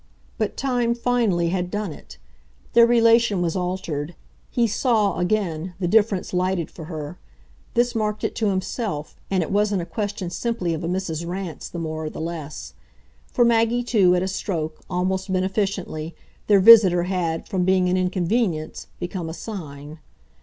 But time finally had done it; their relation was altered: he SAW, again, the difference lighted for her. This marked it to himself and it wasn't a question simply of a Mrs. Rance the more or the less. For Maggie too, at a stroke, almost beneficently, their visitor had, from being an inconvenience, become a sign.